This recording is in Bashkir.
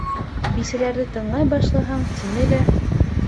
Бисәләрҙе тыңлай башлаһаң, тине лә...